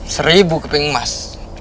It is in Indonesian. seribu keping emas